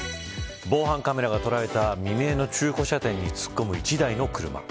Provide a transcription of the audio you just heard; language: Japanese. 防犯カメラが捉えた未明の中古車店に突っ込む１台の車。